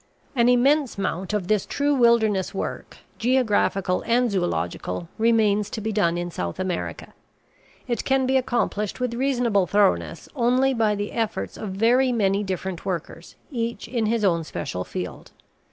An immense amount of this true wilderness work, geographical and zoological, remains to be done in South America. It can be accomplished with reasonable thoroughness only by the efforts of very many different workers, each in his own special field.